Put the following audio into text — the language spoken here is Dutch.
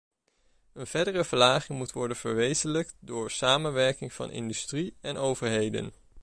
Een verdere verlaging moet worden verwezenlijkt door samenwerking van industrie en overheden.